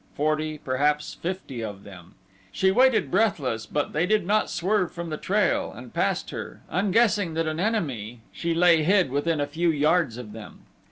Forty, perhaps fifty of them. She waited breathless; but they did not swerve from the trail and passed her, unguessing that an enemy she lay hid within a few yards of them.